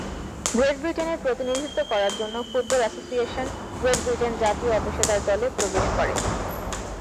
Great ব্রিটেনের প্রতিনিধিত্ব করার জন্য ফুটবল অ্যাসোসিয়েশন গ্রেট ব্রিটেন জাতীয় অপেশাদার দলে প্রবেশ করে।